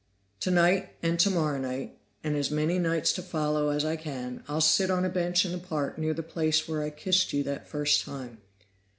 "Tonight, and tomorrow night, and as many nights to follow as I can, I'll sit on a bench in the park near the place where I kissed you that first time.